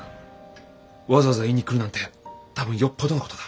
わざわざ言いに来るなんて多分よっぽどの事だ。